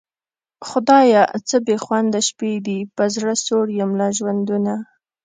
خدایه څه بېخونده شپې دي په زړه سوړ یم له ژوندونه